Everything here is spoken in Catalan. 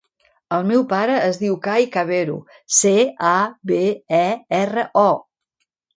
El meu pare es diu Cai Cabero: ce, a, be, e, erra, o.